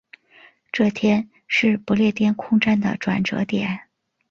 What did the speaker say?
这天是不列颠空战的转折点。